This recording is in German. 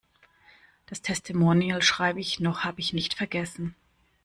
Das Testimonial schreib' ich noch, hab' ich nicht vergessen.